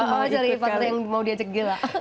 oh cari fakta yang mau diajak gila